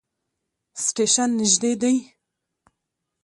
سټیشن نژدې دی